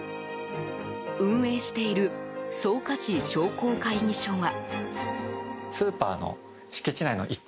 運営している草加市商工会議所は。